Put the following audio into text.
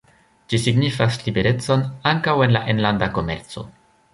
Ĝi signifas liberecon ankaŭ en la enlanda komerco.